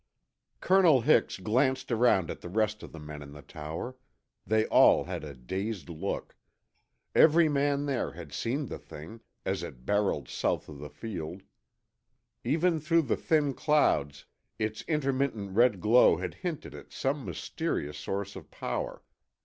Colonel Hix glanced around at the rest of the men in the tower. They all had a dazed look. Every man there had seen the thing, as it barreled south of the field. Even through the thin clouds, its intermittent red glow had hinted at some mysterious source of power.